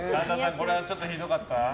これはちょっとひどかった？